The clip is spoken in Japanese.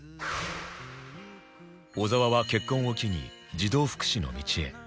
小澤は結婚を機に児童福祉の道へ